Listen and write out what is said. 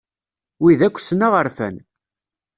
Wid akk ssneɣ rfan.